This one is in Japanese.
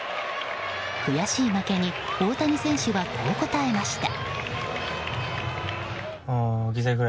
悔しい負けに大谷選手はこう答えました。